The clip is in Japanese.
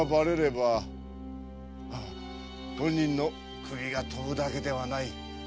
本人の首が飛ぶだけではない。